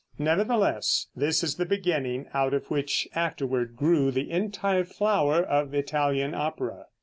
Nevertheless, this is the beginning, out of which afterward grew the entire flower of Italian opera.